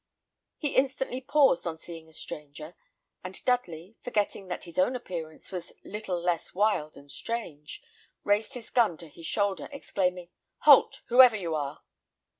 He instantly paused on seeing a stranger; and Dudley, forgetting that his own appearance was little less wild and strange, raised his gun to his shoulder, exclaiming, "Halt, whoever you are!"